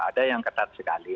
ada yang ketat sekali